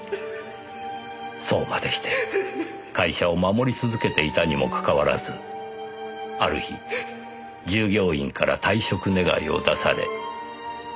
そうまでして会社を守り続けていたにもかかわらずある日従業員から退職願を出され。